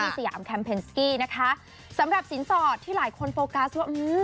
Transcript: สยามแคมเพนสกี้นะคะสำหรับสินสอดที่หลายคนโฟกัสว่าอืม